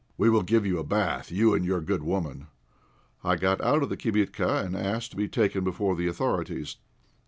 "We'll give you a bath, you and your good woman!" I got out of the "kibitka," and asked to be taken before the authorities.